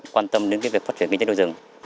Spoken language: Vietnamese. quan tâm đến việc phát triển kinh tế đối rừng